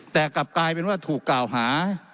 แต่กลับกลายเป็นว่าถูกกล่าวหา